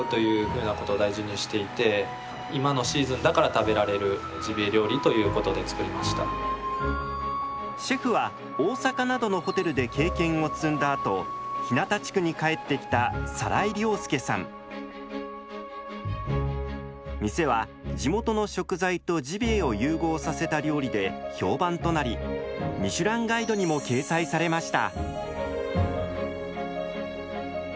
食べられるのはシカやイノシシの肉を使ったシェフは大阪などのホテルで経験を積んだあと日向地区に帰ってきた店は地元の食材とジビエを融合させた料理で評判となりミシュランガイドにも掲載されました。